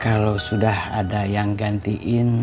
kalau sudah ada yang gantiin